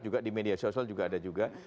juga di media sosial juga ada juga